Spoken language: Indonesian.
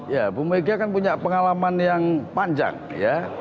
ya bumega kan punya pengalaman yang panjang ya